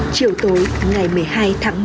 chiều tối ngày một mươi hai tháng một